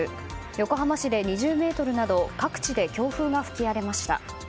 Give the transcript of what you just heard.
横浜市で２０メートルなど各地で強風が吹き荒れました。